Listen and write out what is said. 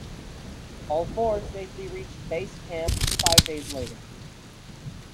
All four safely reached base camp five days later.